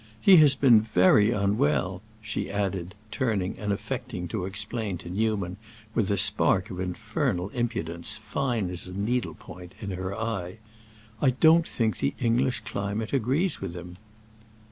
He has been very unwell," she added, turning and affecting to explain to Newman, with a spark of infernal impudence, fine as a needlepoint, in her eye. "I don't think the English climate agrees with him."